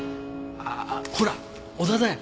あっほら織田だよ